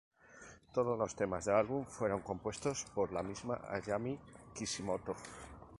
Todos los temas del álbum fueron compuestos por la misma Hayami Kishimoto.